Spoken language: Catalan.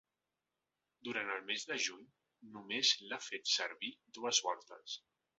Durant el mes de juny només l’ha fet servir dues voltes.